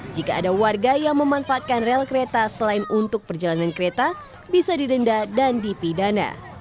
jika ada warga yang memanfaatkan rel kereta selain untuk perjalanan kereta bisa didenda dan dipidana